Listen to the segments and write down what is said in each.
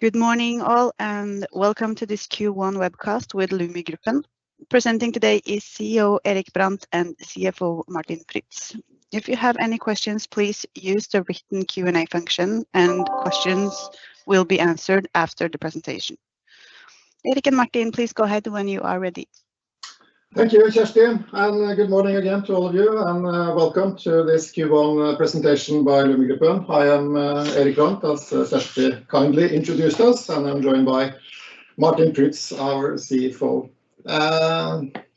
Good morning all. Welcome to this Q1 webcast with Lumi Gruppen. Presenting today is CEO, Erik Brandt, and CFO, Martin Prytz. If you have any questions, please use the written Q&A function. Questions will be answered after the presentation. Erik and Martin, please go ahead when you are ready. Thank you, Kirsty. Good morning again to all of you, welcome to this Q1 presentation by Lumi Gruppen. I am Erik Brandt, as Kirsty kindly introduced us, and I'm joined by Martin Prytz, our CFO.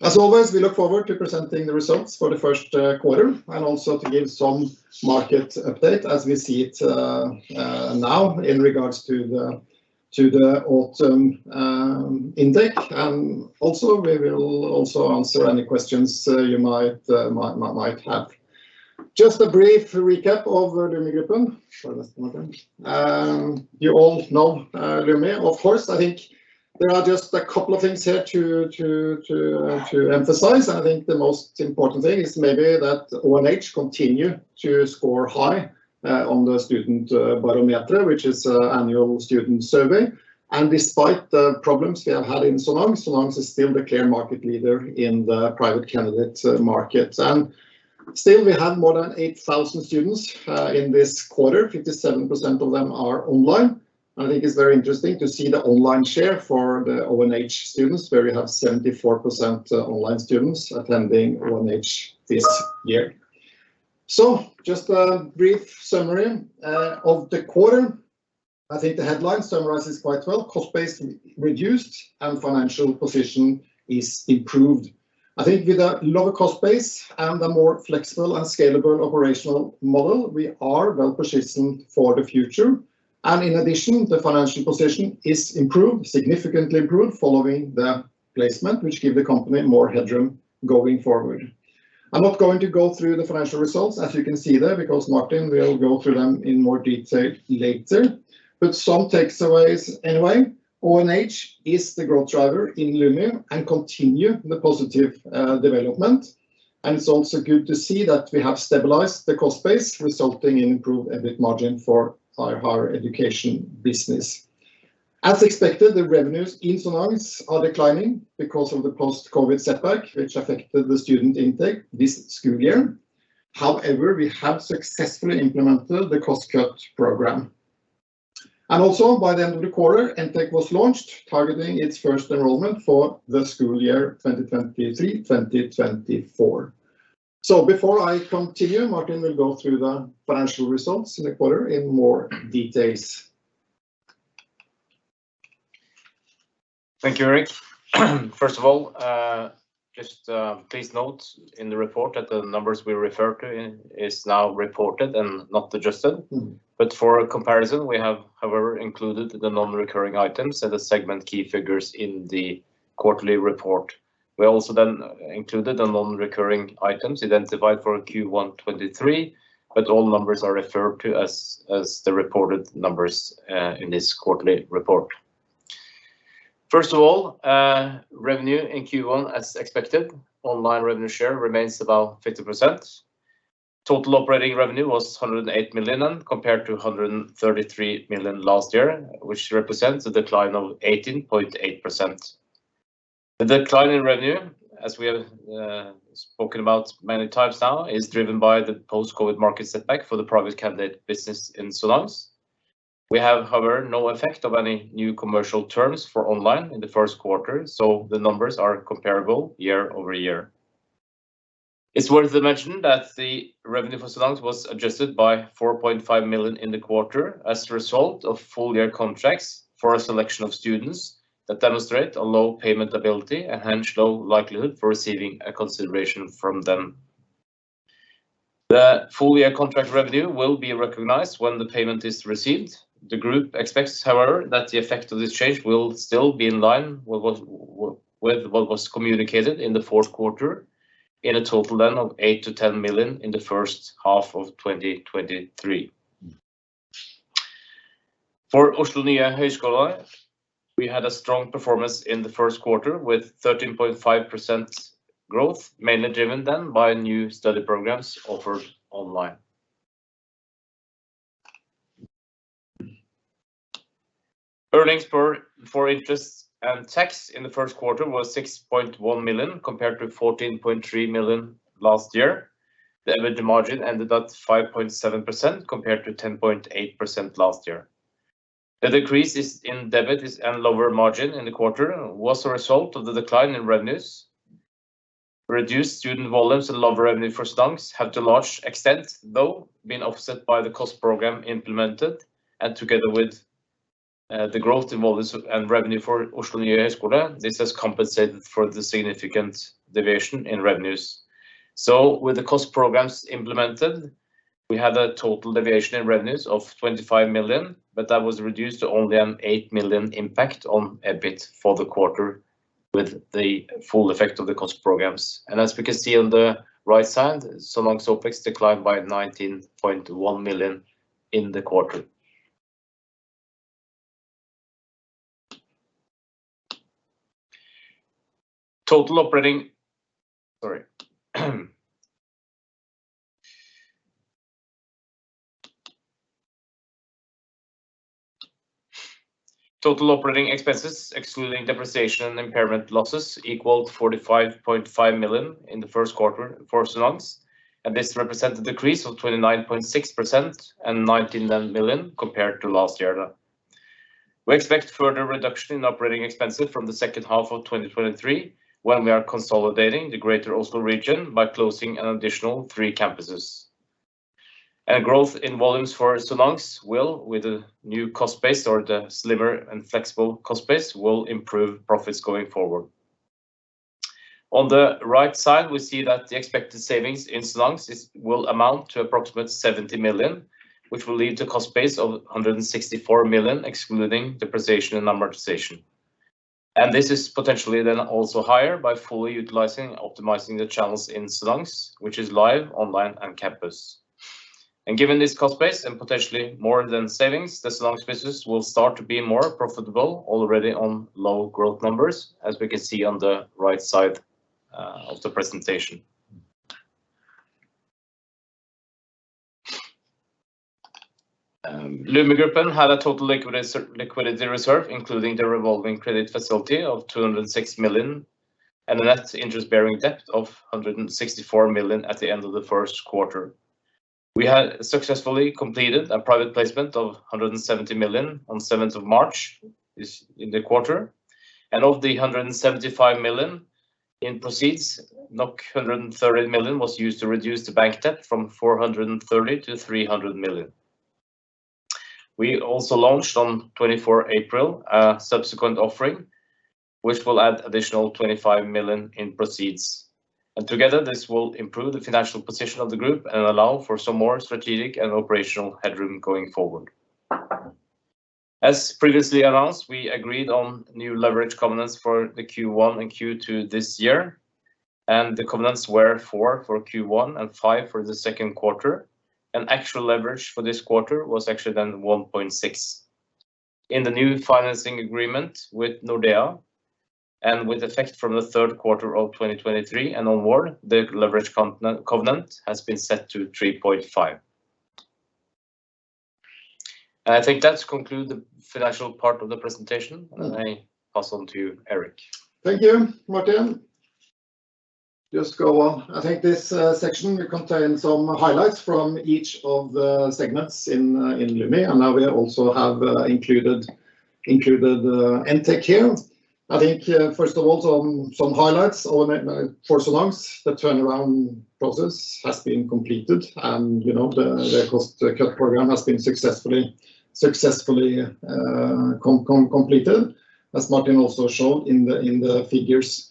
As always, we look forward to presenting the results for the Q1, and also to give some market update as we see it now in regards to the autumn intake. We will also answer any questions you might have. Just a brief recap of Lumi Gruppen. You all know Lumi of course. I think there are just a couple of things here to emphasize. I think the most important thing is maybe that ONH continue to score high on the Studiebarometeret, which is annual student survey. Despite the problems we have had in Sonans is still the clear market leader in the private candidate market. Still, we have more than 8,000 students in this quarter. 57% of them are online. I think it's very interesting to see the online share for the ONH students, where we have 74% online students attending ONH this year. Just a brief summary of the quarter. I think the headline summarizes quite well. Cost base reduced and financial position is improved. I think with a lower cost base and a more flexible and scalable operational model, we are well-positioned for the future. In addition, the financial position is improved, significantly improved following the placement, which give the company more headroom going forward. I'm not going to go through the financial results, as you can see there, because Martin will go through them in more detail later. Some takeaways anyway. ONH is the growth driver in Lumi and continue the positive development. It's also good to see that we have stabilized the cost base, resulting in improved EBIT margin for our higher education business. As expected, the revenues in Sonans are declining because of the post-COVID setback, which affected the student intake this school year. However, we have successfully implemented the cost cut program. Also, by the end of the quarter, NTech was launched, targeting its first enrollment for the school year 2023/2024. Before I continue, Martin will go through the financial results in the quarter in more details. Thank you, Erik. First of all, just, please note in the report that the numbers we refer to in is now reported and not adjusted. Mm-hmm. For a comparison, we have, however, included the non-recurring items and the segment key figures in the quarterly report. We included the non-recurring items identified for Q1 2023, all numbers are referred to as the reported numbers in this quarterly report. First of all, revenue in Q1, as expected. Online revenue share remains about 50%. Total operating revenue was 108 million, compared to 133 million last year, which represents a decline of 18.8%. The decline in revenue, as we have spoken about many times now, is driven by the post-COVID market setback for the private candidate business in Sonans. We have, however, no effect of any new commercial terms for online in the Q1, the numbers are comparable year-over-year. It's worth to mention that the revenue for Sonans was adjusted by 4.5 million in the quarter as a result of full year contracts for a selection of students that demonstrate a low payment ability, and hence low likelihood for receiving a consideration from them. The full year contract revenue will be recognized when the payment is received. The group expects, however, that the effect of this change will still be in line with what was communicated in the Q4 in a total then of 8 million-10 million in the H1 of 2023. For Oslo Nye Høyskole, we had a strong performance in the Q1 with 13.5% growth, mainly driven then by new study programs offered online. Earnings per, for interest and tax in the Q1 was 6.1 million, compared to 14.3 million last year. The EBIT margin ended at 5.7%, compared to 10.8% last year. The decrease is in EBIT, lower margin in the quarter was a result of the decline in revenues. Reduced student volumes and lower revenue for Sonans have, to large extent though, been offset by the cost program implemented. Together with the growth in volumes and revenue for Oslo Nye Høyskole, this has compensated for the significant deviation in revenues. With the cost programs implemented, we had a total deviation in revenues of 25 million, but that was reduced to only a 8 million impact on EBIT for the quarter with the full effect of the cost programs. As we can see on the right side, Sonans OPEX declined by 19.1 million in the quarter. Total operating, sorry. Total operating expenses, excluding depreciation and impairment losses, equaled 45.5 million in the Q1 for Sonans, and this represents a decrease of 29.6% and 19 million compared to last year. We expect further reduction in operating expenses from the second half of 2023 when we are consolidating the Greater Oslo Region by closing an additional three campuses. Growth in volumes for Sonans will, with the new cost base or the slimmer and flexible cost base, will improve profits going forward. On the right side, we see that the expected savings in Sonans will amount to approximately 70 million, which will lead to cost base of 164 million excluding depreciation and amortization. This is potentially then also higher by fully utilizing, optimizing the channels in Sonans, which is live, online and campus. Given this cost base and potentially more than savings, the Sonans business will start to be more profitable already on low growth numbers as we can see on the right side of the presentation. Lumi Gruppen had a total liquidity reserve, including the revolving credit facility of 206 million, and a net interest-bearing debt of 164 million at the end of the Q1. We had successfully completed a private placement of 170 million on 7th of March, is in the quarter. Of the 175 million in proceeds, 130 million was used to reduce the bank debt from 430 million to 300 million. We also launched on twenty-four April a subsequent offering, which will add additional 25 million in proceeds. Together, this will improve the financial position of the group and allow for some more strategic and operational headroom going forward. As previously announced, we agreed on new leverage covenants for the Q1 and Q2 this year, the covenants were 4 for Q1 and five for the Q2. Actual leverage for this quarter was actually then 1.6. In the new financing agreement with Nordea and with effect from the Q3 of 2023 and onward, the leverage covenant has been set to 3.5. I think that's conclude the financial part of the presentation. Mm. I pass on to you, Erik. Thank you, Martin. Just go on. I think this section will contain some highlights from each of the segments in Lumi. Now we also have included NTech here. I think first of all, some highlights on for Sonans. The turnaround process has been completed, you know, the cost cut program has been successfully completed, as Martin also showed in the figures.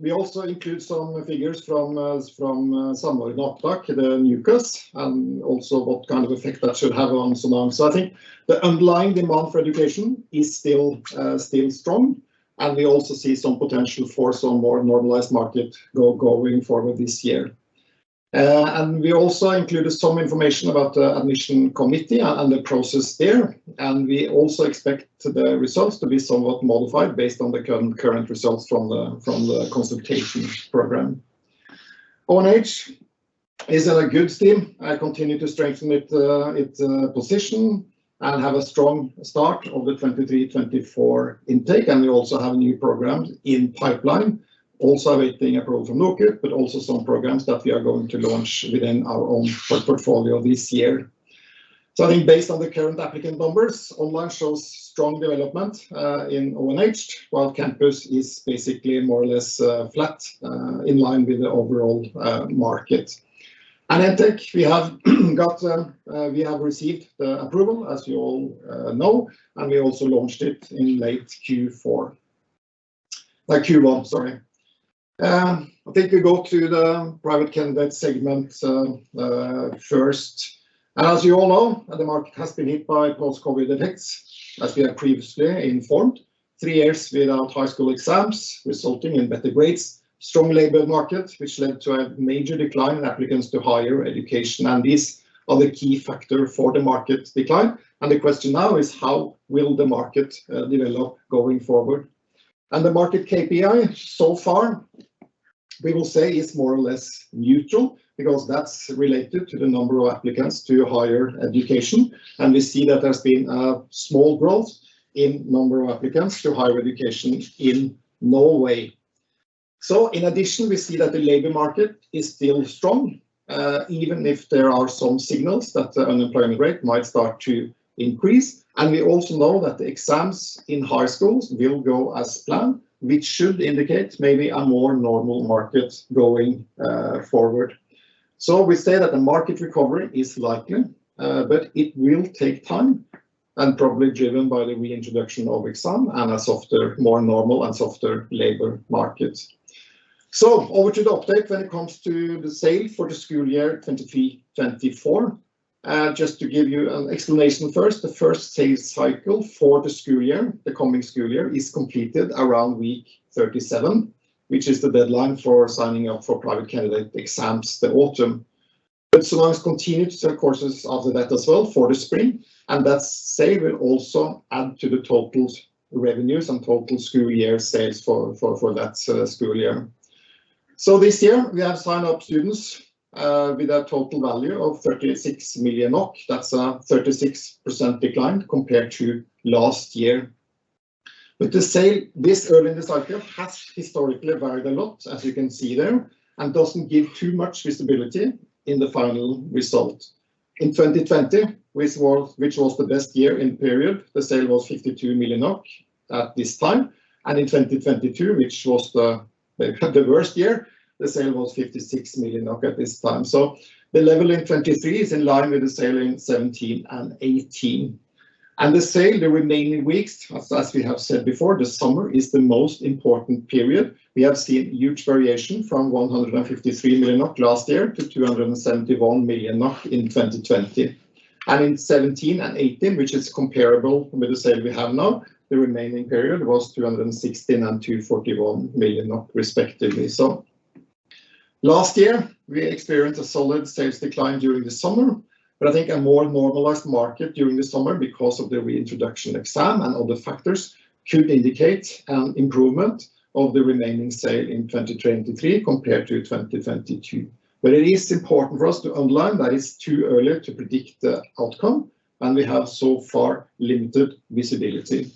We also include some figures from Samordna Opptak, the UCAS. What kind of effect that should have on Sonans. I think the underlying demand for education is still strong. We also see some potential for some more normalized market going forward this year. We also included some information about the admission committee and the process there, and we also expect the results to be somewhat modified based on the current results from the consultation program. ONH is on a good steam and continue to strengthen its position and have a strong start of the 2023/2024 intake. We also have new programs in pipeline also awaiting approval from NOKUT, but also some programs that we are going to launch within our own portfolio this year. I think based on the current applicant numbers, online shows strong development in ONH, while campus is basically more or less flat in line with the overall market. NTech we have got, we have received the approval, as you all know, and we also launched it in late Q4, Q1, sorry. I think we go to the private candidate segment first. As you all know, the market has been hit by post-COVID effects, as we have previously informed. Three years without high school exams, resulting in better grades, strong labor market, which led to a major decline in applicants to higher education. These are the key factor for the market decline. The question now is how will the market develop going forward? The market KPI so far, we will say, is more or less neutral because that's related to the number of applicants to higher education. We see that there's been a small growth in number of applicants to higher education in Norway. In addition, we see that the labor market is still strong, even if there are some signals that the unemployment rate might start to increase. We also know that the exams in high schools will go as planned, which should indicate maybe a more normal market going forward. We say that the market recovery is likely, but it will take time and probably driven by the reintroduction of exam and a softer, more normal and softer labor market. Over to the update when it comes to the sale for the school year 2023/2024. Just to give you an explanation first, the first sales cycle for the school year, the coming school year, is completed around week 37, which is the deadline for signing up for private candidate exams the autumn. Sonans continued to sell courses after that as well for the spring, and that sale will also add to the total revenues and total school year sales for that school year. This year we have signed up students with a total value of 36 million NOK. That's a 36% decline compared to last year. To say this earning cycle has historically varied a lot, as you can see there, and doesn't give too much visibility in the final result. In 2020, which was the best year in period, the sale was 52 million NOK at this time, and in 2022, which was the worst year, the sale was 56 million at this time. The level in 2023 is in line with the sale in 2017 and 2018. The sale, the remaining weeks, as we have said before, the summer is the most important period. We have seen huge variation from 153 million NOK last year to 271 million NOK in 2020. In 2017 and 2018, which is comparable with the sale we have now, the remaining period was 216 and 241 million respectively. Last year we experienced a solid sales decline during the summer. I think a more normalized market during the summer because of the reintroduction exam and other factors could indicate an improvement of the remaining sale in 2023 compared to 2022. It is important for us to underline that it's too early to predict the outcome, and we have so far limited visibility.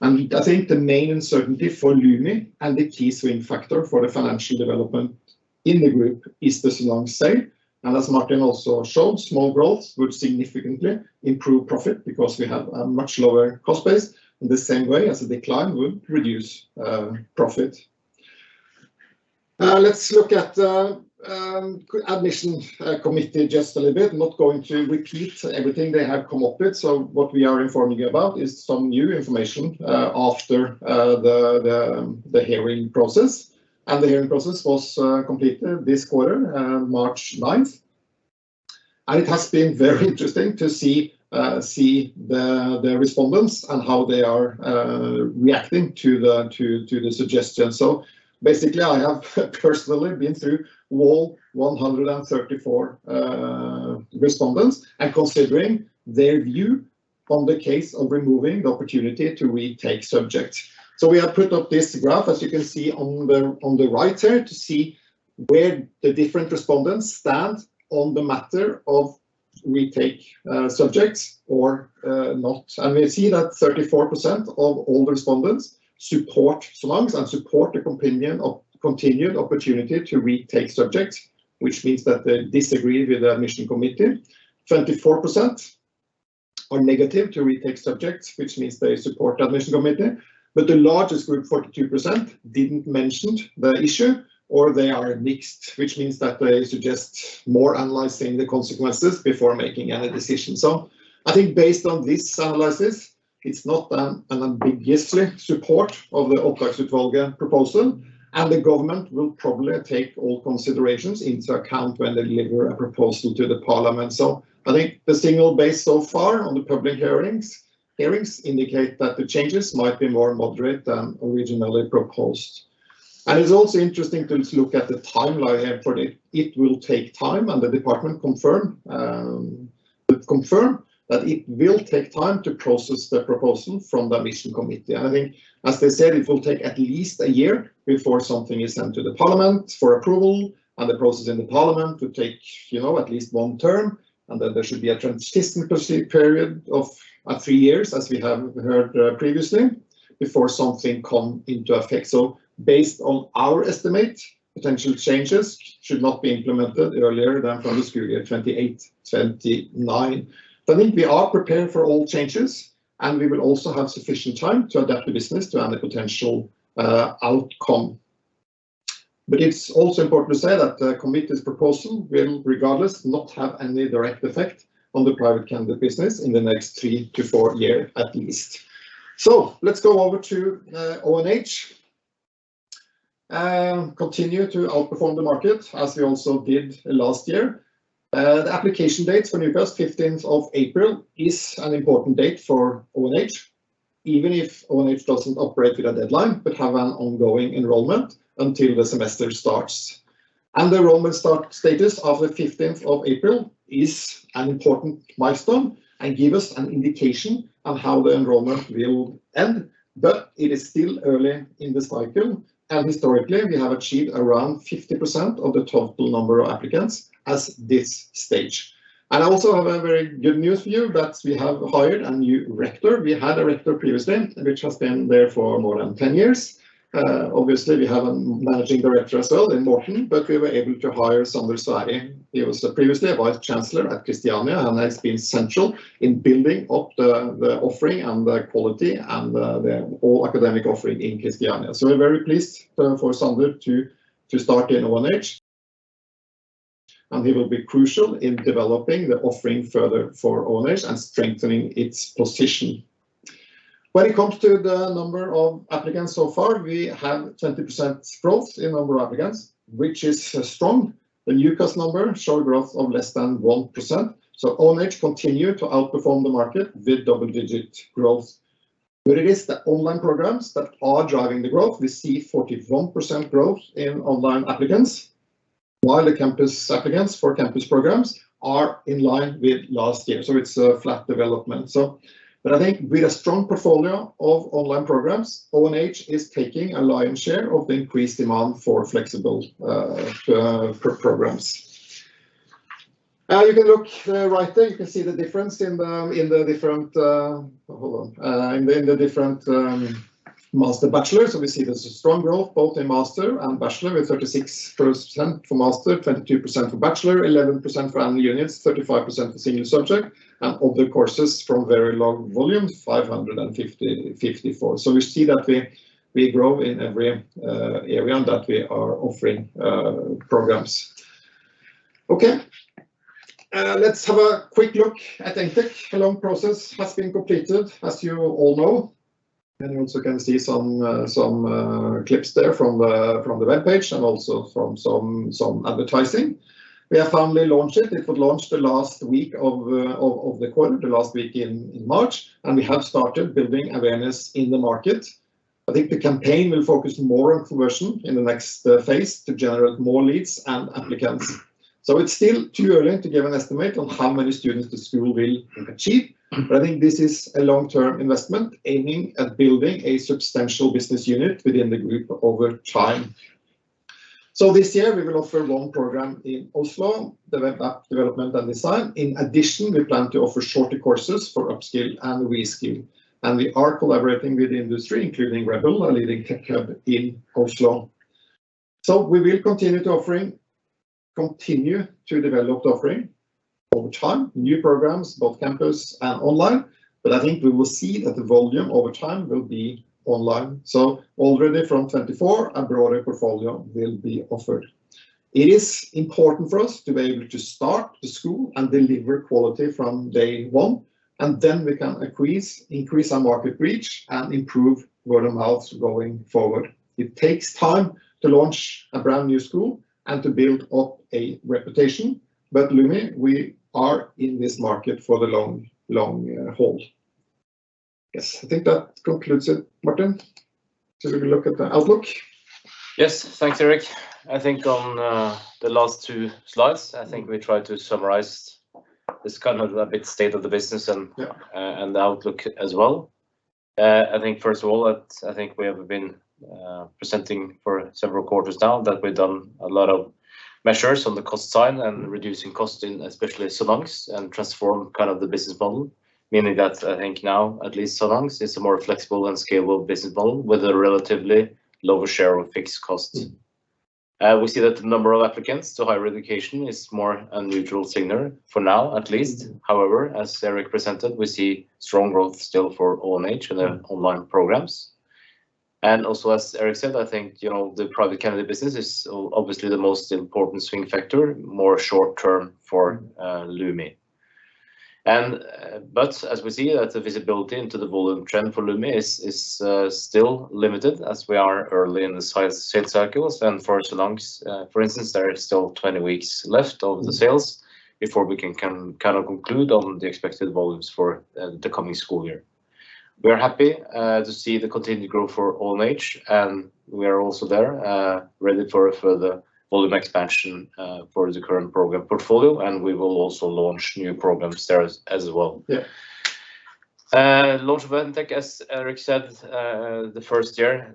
I think the main uncertainty for Lumi and the key swing factor for the financial development in the group is the long sale. As Martin also showed, small growth would significantly improve profit because we have a much lower cost base. In the same way as a decline would reduce profit. Let's look at admissions committee just a little bit. Not going to repeat everything they have come up with. What we are informing about is some new information after the hearing process. The hearing process was completed this quarter, March 9th. It has been very interesting to see the respondents and how they are reacting to the suggestions. Basically, I have personally been through all 134 respondents and considering their view on the case of removing the opportunity to retake subjects. We have put up this graph, as you can see on the right here, to see where the different respondents stand on the matter of retake subjects or not. We see that 34% of all respondents support Sonans and support the opinion of continued opportunity to retake subjects, which means that they disagree with the admission committee. 24% are negative to retake subjects, which means they support the admission committee. The largest group, 42%, didn't mention the issue or they are mixed, which means that they suggest more analyzing the consequences before making any decision. I think based on this analysis, it's not an unambiguously support of the Opptaksutvalget proposal, and the government will probably take all considerations into account when they deliver a proposal to the parliament. I think the signal based so far on the public hearings indicate that the changes might be more moderate than originally proposed. It's also interesting to look at the timeline here. It will take time, and the department confirm that it will take time to process the proposal from the admission committee. I think, as they said, it will take at least a year before something is sent to the parliament for approval and the process in the parliament to take, you know, at least long term. Then there should be a transition period of three years, as we have heard previously, before something come into effect. Based on our estimate, potential changes should not be implemented earlier than from the school year 28, 29. I think we are prepared for all changes, and we will also have sufficient time to adapt the business to any potential outcome. It's also important to say that the committee's proposal will regardless not have any direct effect on the private candidate business in the next three to four year at least. Let's go over to ONH. Continue to outperform the market, as we also did last year. The application date for UCAS, 15th of April, is an important date for ONH, even if ONH doesn't operate with a deadline but have an ongoing enrollment until the semester starts. The enrollment start status of the 15th of April is an important milestone and give us an indication on how the enrollment will end. It is still early in this cycle, and historically, we have achieved around 50% of the total number of applicants at this stage. I also have a very good news for you, that we have hired a new rector. We had a rector previously, which has been there for more than 10 years. Obviously, we have a managing director as well in Morten, but we were able to hire Sander Sværi. He was previously a vice chancellor at Kristiania, and has been central in building up the offering and the quality and the all academic offering in Kristiania. We're very pleased for Sander to start in ONH, and he will be crucial in developing the offering further for ONH and strengthening its position. When it comes to the number of applicants so far, we have 20% growth in number of applicants, which is strong. The UCAS number show growth of less than 1%. ONH continue to outperform the market with double-digit growth. It is the online programs that are driving the growth. We see 41% growth in online applicants, while the campus applicants for campus programs are in line with last year. It's a flat development. But I think with a strong portfolio of online programs, ONH is taking a lion's share of the increased demand for flexible programs. You can look, right there, you can see the difference in the different. Hold on. In the different master, bachelor's. We see there's a strong growth both in master and bachelor with 36% for master, 22% for bachelor, 11% for annual units, 35% for single subject, and other courses from very low volume, 554. We see that we grow in every area that we are offering programs. Okay. Let's have a quick look at NTech. A long process has been completed, as you all know, you also can see some clips there from the webpage and also from some advertising. We have finally launched it. It would launch the last week of the quarter, the last week in March, we have started building awareness in the market. I think the campaign will focus more on conversion in the next phase to generate more leads and applicants. It's still too early to give an estimate on how many students the school will achieve, I think this is a long-term investment aiming at building a substantial business unit within the group over time. This year we will offer one program in Oslo, the web app development and design. In addition, we plan to offer shorter courses for up-skill and re-skill, and we are collaborating with the industry, including Rebel, a leading tech hub in Oslo. We will continue to develop the offering over time, new programs, both campus and online, but I think we will see that the volume over time will be online. Already from 2024, a broader portfolio will be offered. It is important for us to be able to start the school and deliver quality from day one, then we can increase our market reach and improve word of mouth going forward. It takes time to launch a brand-new school and to build up a reputation, but Lumi, we are in this market for the long haul. Yes, I think that concludes it, Martin. Should we look at the outlook? Yes. Thanks, Erik. I think on the last two slides, I think we tried to summarize this kind of a bit state of the business. Yeah... and the outlook as well. I think first of all, that we have been presenting for several quarters now that we've done a lot of measures on the cost side and reducing cost in especially Sonans and transform kind of the business model, meaning that I think now, at least Sonans, is a more flexible and scalable business model with a relatively lower share of fixed costs. Mm. We see that the number of applicants to higher education is more a neutral signal for now at least. As Erik presented, we see strong growth still for ONH. Yeah... and their online programs. Also as Erik said, I think, you know, the Private Candidate business is obviously the most important swing factor, more short term for, Lumi. But as we see that the visibility into the volume trend for Lumi is, still limited as we are early in the sales cycles and for Sonans, for instance, there is still 20 weeks left of the sales before we can kind of conclude on the expected volumes for, the coming school year. We are happy, to see the continued growth for ONH, and we are also there, ready for further volume expansion, for the current program portfolio, and we will also launch new programs there as well. Yeah. Launch of NTech, as Erik said, the first year,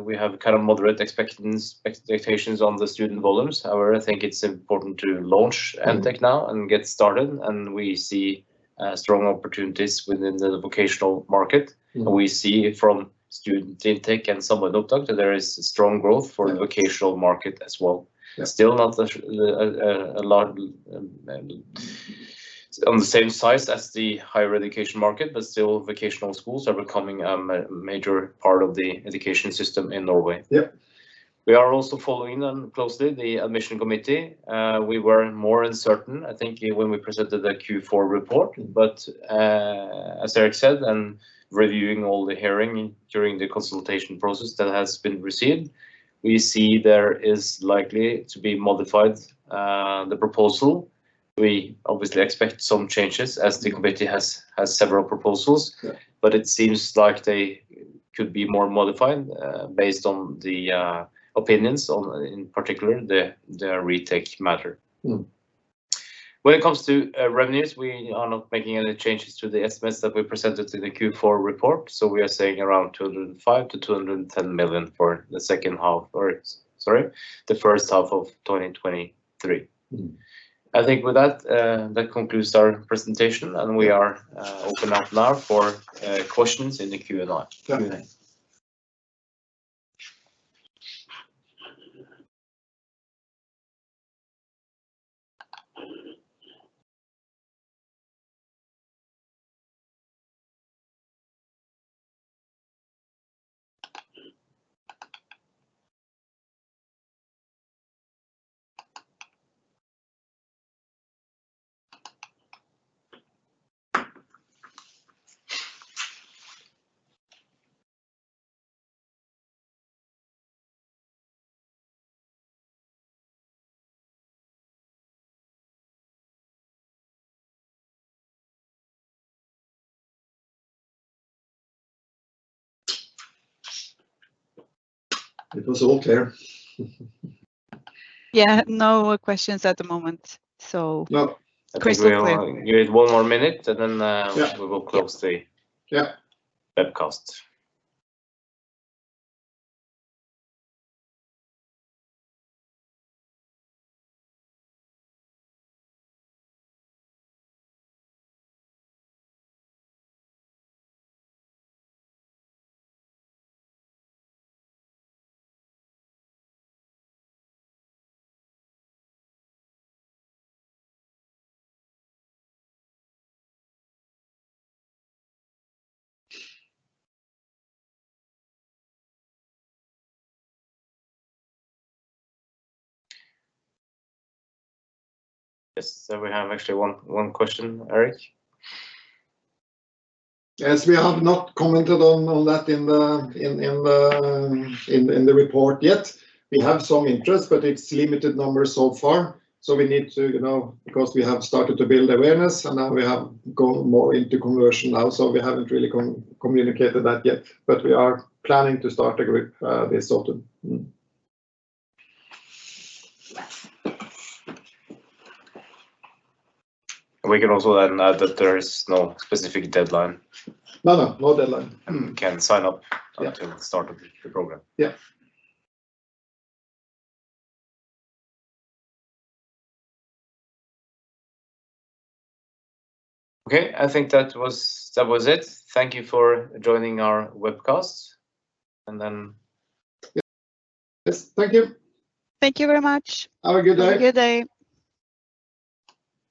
we have kind of moderate expectance, expectations on the student volumes. However, I think it's important to launch NTech now and get started. We see strong opportunities within the vocational market. Mm. We see from student intake and Samordna opptak that there is strong growth. Yeah... the vocational market as well. Yeah. Still not the, a large, on the same size as the higher education market, but still vocational schools are becoming, a major part of the education system in Norway. Yeah. We are also following them closely, the admission committee. We were more uncertain, I think, when we presented the Q4 report, but as Erik said, and reviewing all the hearing during the consultation process that has been received, we see there is likely to be modified the proposal. We obviously expect some changes as the committee has several proposals. Yeah. It seems like they could be more modified, based on the opinions on, in particular the retake matter. Mm. When it comes to revenues, we are not making any changes to the estimates that we presented in the Q4 report. We are saying around 205 million-210 million for the second half or, sorry, the first half of 2023. Mm. I think with that concludes our presentation, and we are open up now for questions in the Q&A. Yeah. Thank you. It was all clear. Yeah, no questions at the moment. No crystal clear. I think we all give it one more minute, and then. Yeah we will close. Yeah webcast. Yes, we have actually one question, Erik. We have not commented on that in the report yet. We have some interest, but it's limited numbers so far, so we need to, you know, because we have started to build awareness, and now we have gone more into conversion now. We haven't really communicated that yet, but we are planning to start this autumn. We can also then add that there is no specific deadline. No, no. No deadline. And can sign up- Yeah... until the start of the program. Yeah. Okay. I think that was it. Thank you for joining our webcast. Yeah. Yes, thank you. Thank you very much. Have a good day. Have a good day.